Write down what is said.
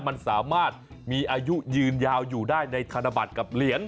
มันสามารถมีอายุยืนยาวอยู่ได้ในธนบัตรกับเหรียญ